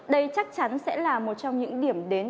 đây chắc chắn sẽ là một trong những điểm đến